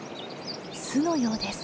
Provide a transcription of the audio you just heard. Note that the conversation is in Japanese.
巣のようです。